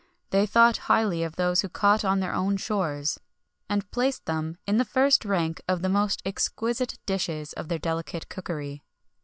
They thought highly of those caught on their own shores[XXI 57], and placed them in the first rank of the most exquisite dishes of their delicate cookery.